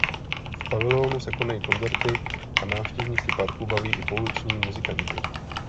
V pavilonu se konají koncerty a návštěvníky parku baví i pouliční muzikanti.